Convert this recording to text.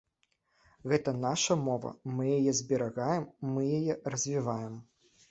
Гэта наша мова, мы яе зберагаем, мы яе развіваем.